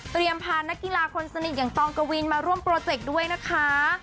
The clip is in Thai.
พานักกีฬาคนสนิทอย่างตองกวินมาร่วมโปรเจกต์ด้วยนะคะ